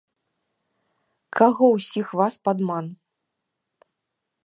Каго ўсіх вас падман?